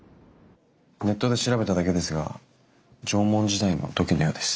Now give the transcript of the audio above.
ネットで調べただけですが縄文時代の土器のようです。